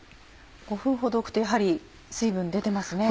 ５分ほど置くとやはり水分出てますね。